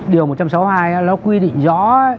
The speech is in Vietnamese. điều một trăm sáu mươi hai nó quy định rõ